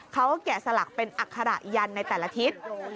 แกะสลักเป็นอัคระยันในแต่ละทิศ